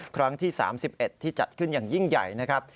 ครั้งที่๓๑ที่จัดขึ้นอย่างยิ่งใหญ่นะครับ